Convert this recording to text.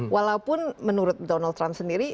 walaupun menurut donald trump sendiri